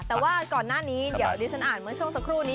แต่ว่าก่อนหน้านี้เดี๋ยวเดี๋ยวฉันอ่านช่วงถึงส่วนสักครู่นี้